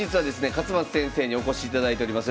勝又先生にお越しいただいております。